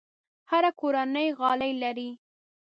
هره کورنۍ غالۍ لري.